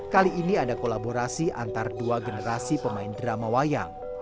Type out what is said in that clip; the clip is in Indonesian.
kali ini ada kolaborasi antara dua generasi pemain drama wayang